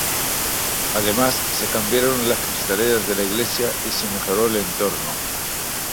Además, se cambiaron las cristaleras de la iglesia y se mejoró el entorno.